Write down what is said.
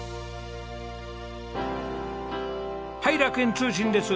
はい楽園通信です。